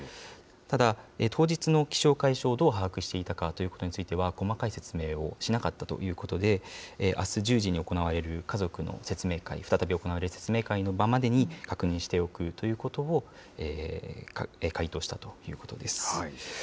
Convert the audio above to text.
ただ当日の気象、海象をどう把握していたかということについては、細かい説明をしなかったということで、あす１０時に行われる家族の説明会、再び行われる説明会の場までに、確認しておくということを回答したということです。